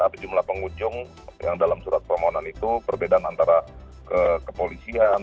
tapi jumlah pengunjung yang dalam surat permohonan itu perbedaan antara kepolisian